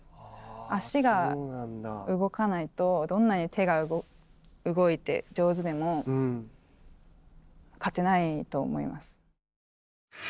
足が動かないとどんなに手が動いて上手でも勝てないと思います。